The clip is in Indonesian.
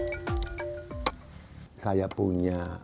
celung itu juga berguna untuk membuat bambu